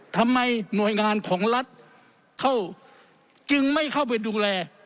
หน่วยงานของรัฐเข้าจึงไม่เข้าไปดูแล